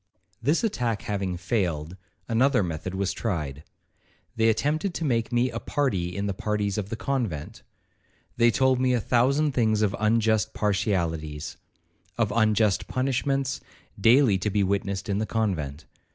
'This attack having failed, another method was tried. They attempted to make me a party in the parties of the convent. They told me a thousand things of unjust partialities,—of unjust punishments, daily to be witnessed in the convent.